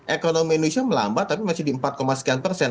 ekonomi indonesia melambat tapi masih di empat sekian persen